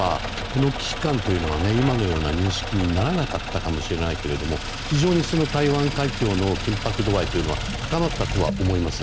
この危機感というのは今のような認識にならなかったかもしれないけども非常にその台湾海峡の緊迫度合いは高まったとは思います。